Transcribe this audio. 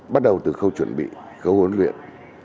bắt đầu từ khâu chuẩn bị khâu huấn luyện